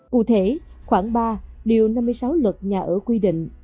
cụ thể khoảng ba điều năm mươi sáu luật nhà ở quy định